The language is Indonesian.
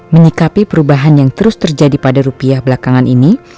menyikapi perubahan yang terus terjadi pada rupiah belakangan ini